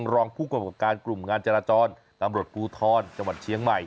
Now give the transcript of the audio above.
รองผู้กำกับการกลุ่มงานจราจรตำรวจภูทรจังหวัดเชียงใหม่